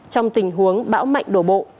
trong tình huống bão mạnh đổ bộ